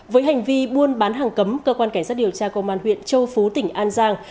với hành vi buôn bán hàng cấm cơ quan cảnh sát điều tra công an huyện châu phú tỉnh an giang